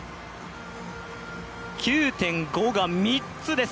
９．５が３つです。